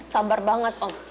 sabar banget om